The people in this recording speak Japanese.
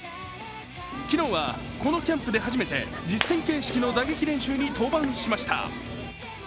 昨日はこのキャンプで初めて実践形式の打撃練習に登板しました。